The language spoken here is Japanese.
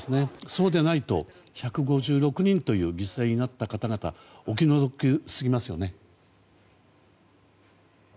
そうでないと、１５６人という犠牲になった方々がお気の毒すぎますよね。